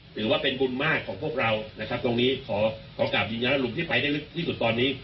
ถือว่าเป็นบุญมากของพวกเรานะครับตรงนี้ขอขอกลับยืนยันว่าลุงที่ไปได้ลึกที่สุดตอนนี้